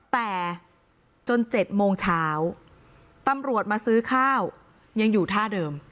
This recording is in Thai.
แต่จน๗โมงเช้าตำรวจมาซื้อข้าวยังอยู่ท่าเดิม